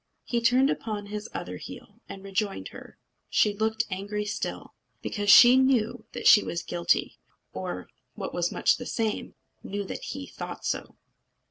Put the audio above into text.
He turned upon his other heel, and rejoined her. She looked angry still, because she knew that she was guilty, or, what was much the same, knew that he thought so.